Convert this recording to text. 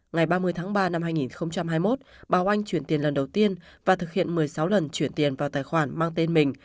ngày ba mươi tháng ba năm hai nghìn hai mươi một báo oanh chuyển tiền lần đầu tiên và thực hiện một mươi sáu lần chuyển tiền vào tài khoản mang tên mình